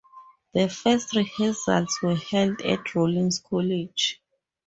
The first rehearsals were held at Rollins College.